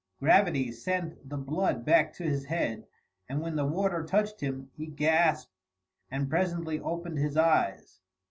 Gravity sent the blood back to his head, and when the water touched him, he gasped and presently opened his eyes.